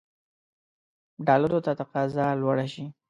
ډالرو ته تقاضا لوړه شي.